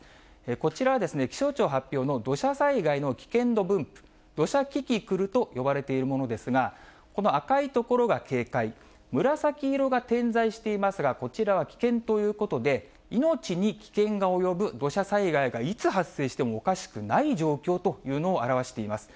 こちら、気象庁発表の土砂災害の危険度分布、土砂キキクルと呼ばれているものですが、この赤い所が警戒、紫色が点在していますが、こちらは危険ということで、命に危険が及ぶ土砂災害がいつ発生してもおかしくない状況というのを表しています。